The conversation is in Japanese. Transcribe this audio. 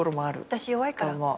私弱いから。